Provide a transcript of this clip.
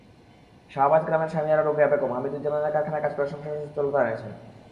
শাহাবাজ গ্রামের স্বামীহারা রোকেয়া বেগম হামিদুজ্জামানের কারখানায় কাজ করে সংসারে সচ্ছলতা এনেছেন।